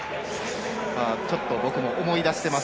ちょっと僕も思い出してます